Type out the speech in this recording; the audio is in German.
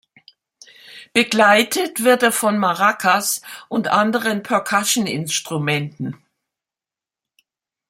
Begleitet wird er von Maracas und anderen Percussion-Instrumenten.